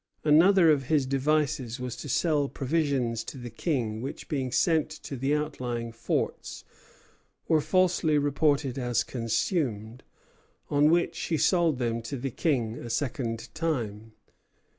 Another of his devices was to sell provisions to the King which, being sent to the outlying forts, were falsely reported as consumed; on which he sold them to the King a second time.